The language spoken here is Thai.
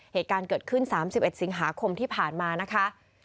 เหตุการณ์เกิดขึ้น๓๑สิงหาคมที่ผ่านมานะคะ